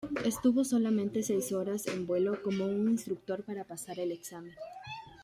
Estuvo solamente seis horas en vuelo con un instructor para pasar el examen.